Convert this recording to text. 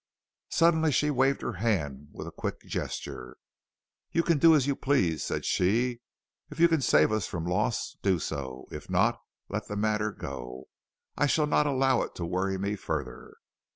Suddenly she waved her hand with a quick gesture. "You can do as you please," said she. "If you can save us from loss, do so; if not, let the matter go; I shall not allow it to worry me further."